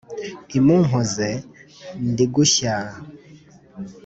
imumpoze ndi gushyaaaaaa!”